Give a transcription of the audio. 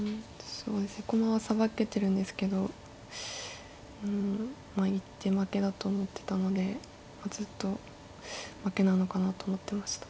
駒はさばけてるんですけどうんまあ一手負けだと思ってたのでずっと負けなのかなと思ってました。